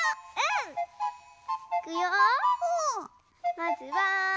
まずは。